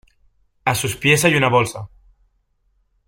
A sus pies hay una bolsa.